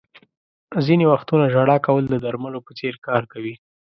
• ځینې وختونه ژړا کول د درملو په څېر کار کوي.